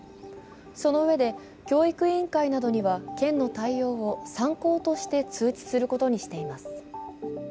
そのうえで教育委員会などには県の対応を参考として通知することにしています。